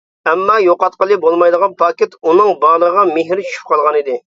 ئەمما يوقاتقىلى بولمايدىغان پاكىت ئۇنىڭ بالىغا مېھرى چۈشۈپ قالغانىدى.